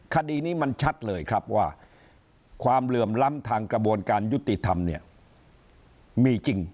คดีนี้มันชัดเลยครับว่าความเหลื่อมล้ำทางกระบวนการยุติธรรมเนี่ยมีจริง